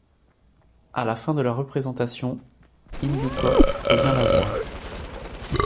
À la fin de la représentation, Indioukov revient la voir.